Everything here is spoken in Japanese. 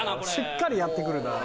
しっかりやってくるな。